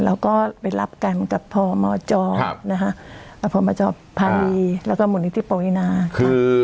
เราก็ไปรับแก่งกับพ่อมอเจาะนะฮะพ่อมอเจาะภารีแล้วก็มูลนิธิปวินาค่ะ